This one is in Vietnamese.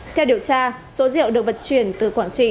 theo điều tra số rượu được vận chuyển từ quảng trị